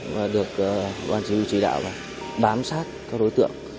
và được ban chỉ huy chỉ đạo bám sát các đối tượng